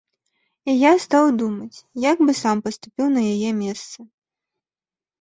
І я стаў думаць, як бы сам паступіў на яе месцы?